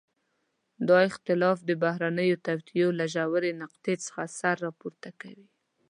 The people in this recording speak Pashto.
دا اختلاف د بهرنيو توطئو له ژورې نقطې څخه سر راپورته کوي.